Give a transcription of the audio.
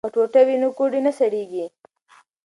که ټوټه وي نو ګوډی نه سړیږي.